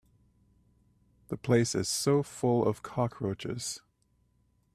The place is so full of cockroaches.